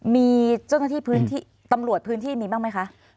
มีเจ้าหน้าที่พื้นที่ตำรวจพื้นที่มีบ้างไหมคะ